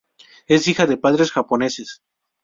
Es hija de padres japoneses.